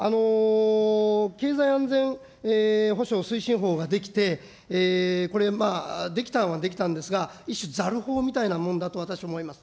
経済安全保障推進法が出来て、これ、出来たのは出来たんですが、一種、ざる法みたいなものだと私、思います。